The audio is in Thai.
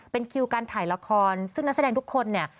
เป็นคิวการถ่ายละครซึ่งนักแสดงทุกคนเนี่ย